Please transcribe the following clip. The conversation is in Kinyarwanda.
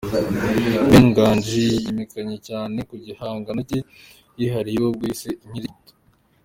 Ben Nganji yamenyekanye cyane ku gihangano cye yihariye we ubwe yise “Inkirigito”.